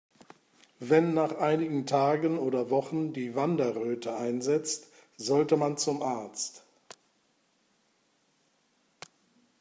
Wenn nach einigen Tagen oder Wochen die Wanderröte einsetzt, sollte man zum Arzt.